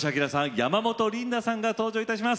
山本リンダさんが登場いたします。